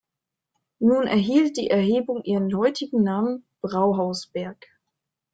Nun erhielt die Erhebung ihren heutigen Namen Brauhausberg.